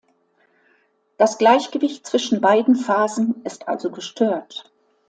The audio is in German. Das Gleichgewicht zwischen beiden Phasen ist also gestört.